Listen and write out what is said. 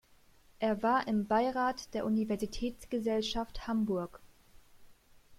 Er war im Beirat der Universitäts-Gesellschaft Hamburg.